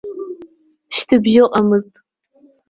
Шьҭыбжь ыҟамызт.